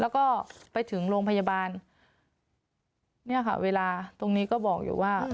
แล้วก็ไปถึงโรงพยาบาลเนี่ยค่ะเวลาตรงนี้ก็บอกอยู่ว่า